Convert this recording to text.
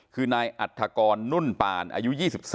คือนายอัฐกรนุ่นปานอายุ๒๓